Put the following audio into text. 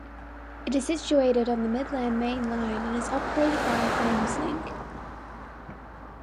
It is situated on the Midland Main Line and is operated by Thameslink.